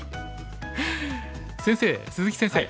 先生鈴木先生。